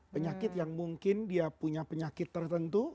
penyakit yang mungkin dia punya penyakit tertentu